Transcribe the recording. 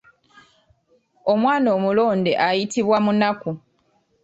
Omwana omulonde ayitibwa munaku.